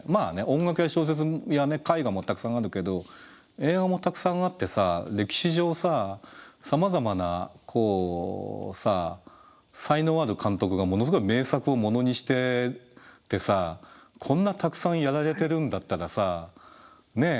音楽や小説や絵画もたくさんあるけど映画もたくさんあってさ歴史上さまざまな才能ある監督がものすごい名作をものにしててさこんなたくさんやられてるんだったらさねえ